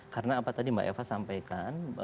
karena apa tadi mbak eva sampaikan